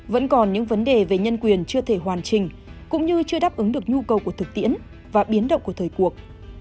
vẫn còn những vấn đề về nhân quyền chưa thể hoàn chỉnh cũng như chưa đáp ứng được nhu cầu của thực tiễn và biến động của thời cuộc